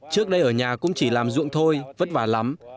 trước đây ở nhà cũng chỉ làm ruộng thôi vất vả lắm